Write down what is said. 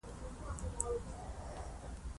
هغه څنګه پوهیده چې یوه ورځ به ورسره یوځای کیږي